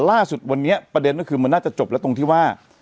แต่ล่าสุดวันนี้มันก็คือมันน่าจะจบตรงที่ว่า